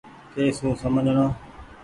ڪي سون سمجهڻو۔